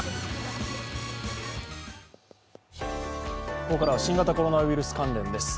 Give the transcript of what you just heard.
ここからは新型コロナウイルス関連です。